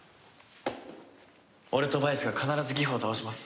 俺とバイスが必ずギフを倒します。